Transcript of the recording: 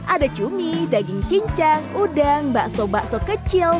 ada cumi daging cincang udang bakso bakso kecil